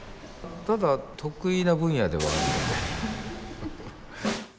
ただ得意な分野ではあるので。